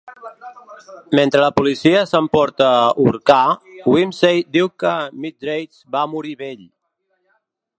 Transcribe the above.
Mentre la policia se'n emporta Urquhart, Wimsey diu que Mitridates va morir vell.